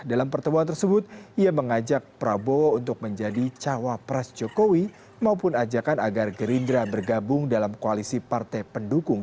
dalam pertemuan tersebut ia mengajak prabowo untuk menjadi cawapres jokowi maupun ajakan agar gerindra bergabung dalam koalisi partai pendukung